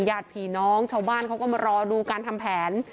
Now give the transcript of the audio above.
ญาติผีน้องชาวบ้านเขาก็มารอดูการทำแผน